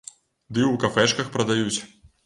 Ды і ў кафэшках прадаюць.